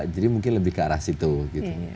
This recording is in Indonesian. jadi mungkin lebih ke arah situ gitu